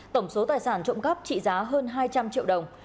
tổng số tài sản trộm cắp trị giá hơn hai trăm linh triệu đồng